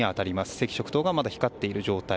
赤色灯がまだ光っている状態。